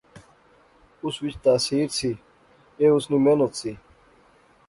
اس وچ تاثیر سی، ایہہ اس نی محنت سی